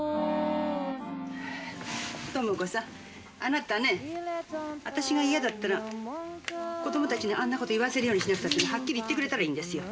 知子さんあなたね私が嫌だったら子どもたちにあんなこと言わせるようにしなくたってはっきり言ってくれたらいいんですよ。